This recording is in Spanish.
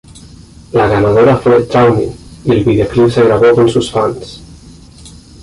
La ganadora fue "Drowning", y el videoclip se grabó con sus fans.